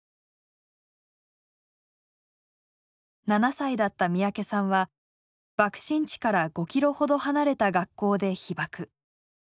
７歳だった三宅さんは爆心地から５キロほど離れた学校で被爆。